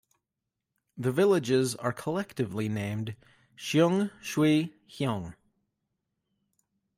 The villages are collectively named "Sheung Shui Heung".